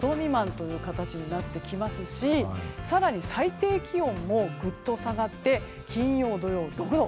１日、木曜日晴れても１５度未満という形になってきますし更に最低気温もぐっと下がって金曜日、土曜日は６度。